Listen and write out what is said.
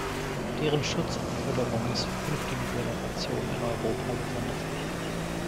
Deren Schutz und Förderung ist für künftige Generationen in Europa besonders wichtig.